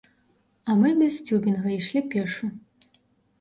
А мы без цюбінга ішлі пешшу.